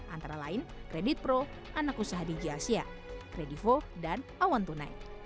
antara lain kredit pro anak usaha digi asia kredivo dan awan tunai